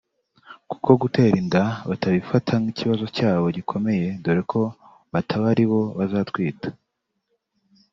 kuko gutera inda batabifata nk’ikibazo cyabo gikomeye dore ko bataba ari bo bazatwita